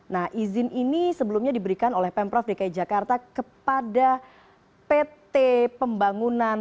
nah izin ini sebelumnya diberikan oleh pemprov dki jakarta kepada pt pembangunan